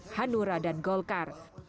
hanura dan golkar